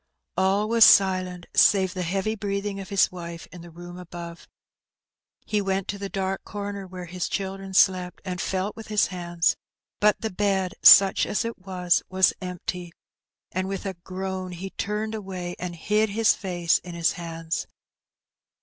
All was silent, save the heavy breathing of his wife in the room above. He went to the dark comer where his children slept, and felt with his hands; but the bed, such as it was, was empty, and with a groan he turned away and hid his face in his hands.